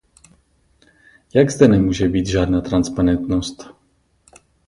Jak zde nemůže být žádná transparentnost?